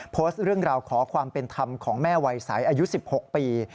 โพสต์เรื่องราวขอความเป็นธรรมของแม่วัยใสอายุ๑๖ปี